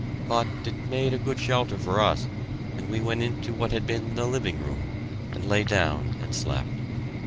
But it made a good shelter for us, and we went into what had been the living room, and lay down and slept.